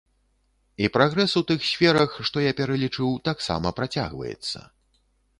І прагрэс у тых сферах, што я пералічыў, таксама працягваецца.